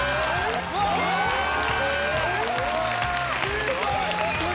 すごい。